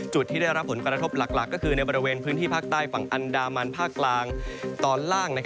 ที่ได้รับผลกระทบหลักก็คือในบริเวณพื้นที่ภาคใต้ฝั่งอันดามันภาคกลางตอนล่าง